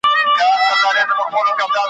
سوځول مي خلوتونه هغه نه یم `